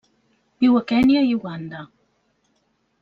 Viu a Kenya i Uganda.